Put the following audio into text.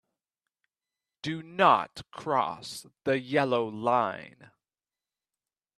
Do not cross the yellow line.